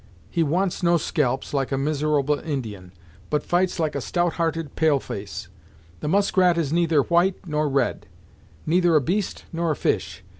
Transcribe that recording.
He wants no scalps, like a miserable Indian, but fights like a stout hearted pale face. The Muskrat is neither white, nor red. Neither a beast nor a fish.